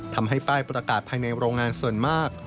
ทำให้ป้ายประกาศภายในโรงงานส่วนมาก